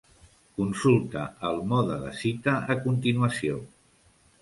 Consulta el "Mode de cita" a continuació.